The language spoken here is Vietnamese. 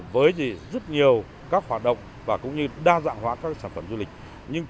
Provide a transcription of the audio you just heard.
bứt phá trong phát triển du lịch